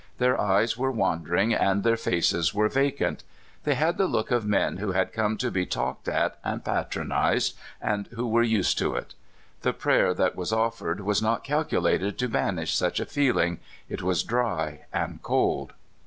Their eyes were wandering, and their faces were vacant. They had the look of men who had come to be talked at and patronized, and who were used to it. The prayer that was offered was not calculated to banish such a feeling — it was dry and cold.